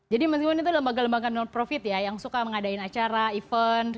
jadi masing masing itu lembaga lembaga non profit ya yang suka mengadain acara event